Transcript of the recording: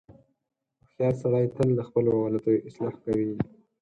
• هوښیار سړی تل د خپلو غلطیو اصلاح کوي.